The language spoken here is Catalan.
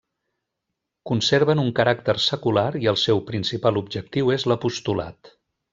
Conserven un caràcter secular i el seu principal objectiu és l'apostolat.